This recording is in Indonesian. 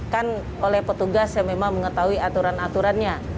kan oleh petugas yang memang mengetahui aturan aturannya